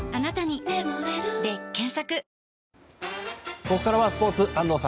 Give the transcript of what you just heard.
ここからはスポーツ安藤さん